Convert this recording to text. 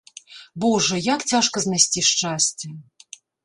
Божа, як цяжка знайсці шчасце.